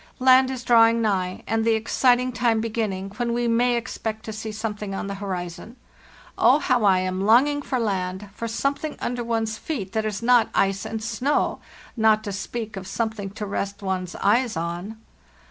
Land is drawing nigh, and the exciting time beginning, when we may expect to see something on the horizon. Oh, how I am longing for land, for something under one's feet that is not ice and snow; not to speak of something to rest one's eyes on.